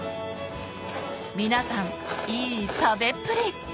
皆さんいい食べっぷり！